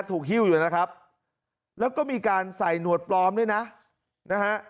หิ้วอยู่นะครับแล้วก็มีการใส่หนวดปลอมด้วยนะนะฮะ